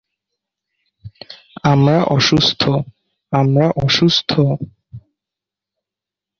আমরা অসুস্থ, আমরা অসুস্থ!